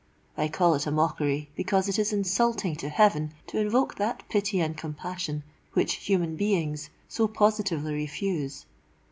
_' I call it a mockery, because it is insulting to heaven to invoke that pity and compassion which human beings so positively refuse.